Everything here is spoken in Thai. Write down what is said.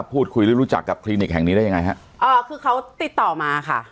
พูดคุยหรือรู้จักกับคลินิกแห่งนี้ได้ยังไงฮะเอ่อคือเขาติดต่อมาค่ะ